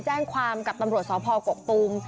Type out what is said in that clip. แจ้งความกับตำรวจสพกกตูม